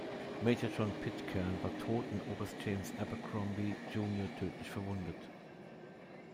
Major John Pitcairn war tot und Oberst James Abercrombie junior tödlich verwundet.